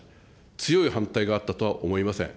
強い反対があったとは思いません。